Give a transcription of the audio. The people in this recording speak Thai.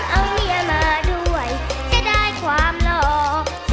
เอามียมาด้วยจะได้ความหรอเกษตรวจ